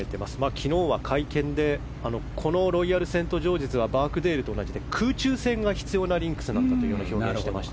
昨日は会見で、このロイヤルセントジョージズはバークデールと同じで空中戦が必要なリンクスだったという表現をしていました。